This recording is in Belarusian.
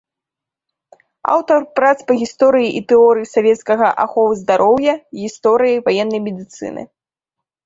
Аўтар прац па гісторыі і тэорыі савецкага аховы здароўя, гісторыі ваеннай медыцыны.